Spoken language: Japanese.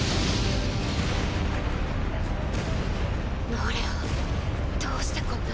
ノレアどうしてこんな。